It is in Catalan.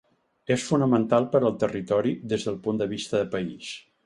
És fonamental per al territori des del punt de vista de país.